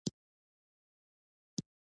مېوې د افغانستان د امنیت په اړه هم اغېز لري.